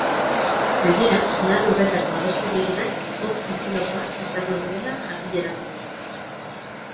Gainera, lan horretako abesti gehienak pop estilokoak izango direla jakinarazi du.